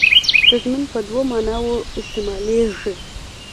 تضمین په دوو معناوو استعمالېږي.